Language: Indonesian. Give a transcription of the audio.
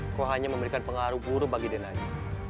aku hanya memberikan pengaruh guru bagi den ayu